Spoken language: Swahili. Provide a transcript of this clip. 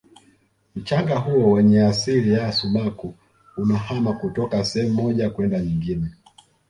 mchanga huo wenye asili ya sumaku unahama kutoka sehemu moja kwenda nyingine